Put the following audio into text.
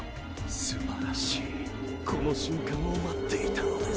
すばらしいこの瞬間を待っていたのです。